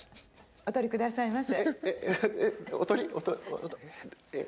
お取りくださいませ。